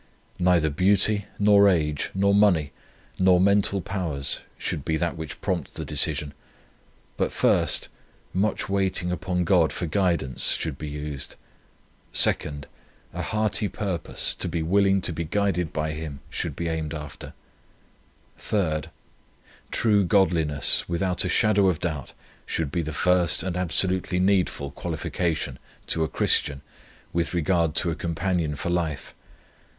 Neither beauty, nor age, nor money, nor mental powers, should be that which prompt the decision; but 1st, Much waiting upon God for guidance should be used; 2nd, A hearty purpose, to be willing to be guided by Him should be aimed after; 3rd, True godliness without a shadow of doubt, should be the first and absolutely needful qualification, to a Christian, with regard to a companion for life.